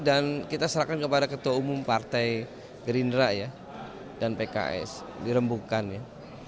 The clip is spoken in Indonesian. dan kita serahkan kepada ketua umum partai gerindra ya dan pks dirembungkan ya